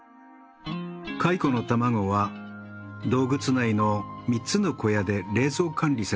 蚕の卵は洞窟内の３つの小屋で冷蔵管理されていました。